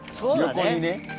横にね。